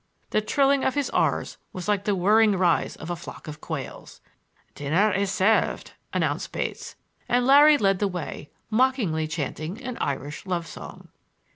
The trilling of his r's was like the whirring rise of a flock of quails. "Dinner is served," announced Bates, and Larry led the way, mockingly chanting an Irish love song.